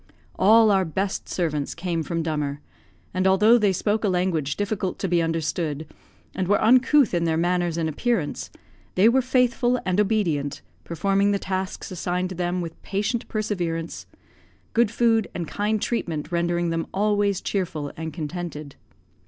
All our best servants came from Dummer; and although they spoke a language difficult to be understood, and were uncouth in their manners and appearance, they were faithful and obedient, performing the tasks assigned to them with patient perseverance; good food and kind treatment rendering them always cheerful and contented.